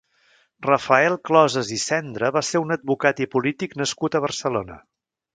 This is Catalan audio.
Rafael Closas i Cendra va ser un advocat i polític nascut a Barcelona.